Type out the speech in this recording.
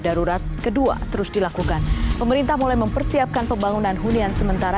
dan darurat kedua terus dilakukan pemerintah mulai mempersiapkan pembangunan hunian sementara